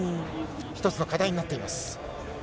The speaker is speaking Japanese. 一つの課題になっています。